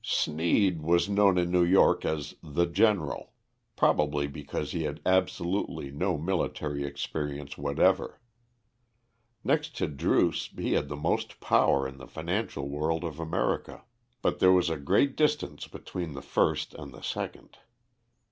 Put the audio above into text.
Sneed was known in New York as the General, probably because he had absolutely no military experience whatever. Next to Druce he had the most power in the financial world of America, but there was a great distance between the first and the second.